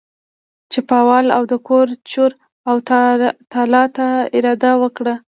چپاول او د کور چور او تالا ته اراده وکړه.